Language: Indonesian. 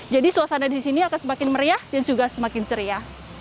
jadi suasana di sini akan semakin meriah dan juga semakin ceria